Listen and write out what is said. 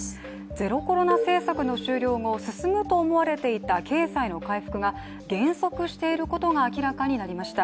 ゼロコロナ政策の終了後進むと思われていた経済の回復が減速していることが明らかになりました。